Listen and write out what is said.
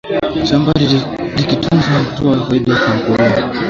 shamba likitunzwa hutoa faida kwa mkulima